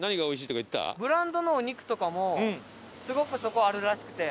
ブランドのお肉とかもすごくそこあるらしくて。